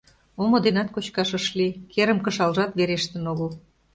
Омо денат кочкаш ыш лий, керым кышалжат верештын огыл.